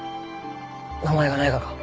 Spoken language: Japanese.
名前がないがか？